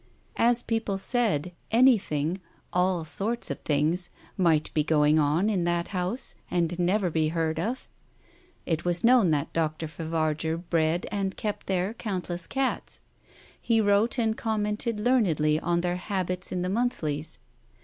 As people said, anything — all sorts of things — might be going on in that house and never be heard of. It was known that Dr. Favarger bred and kept there countless cats ; he wrote and commented learnedly on their habits in the monthlies.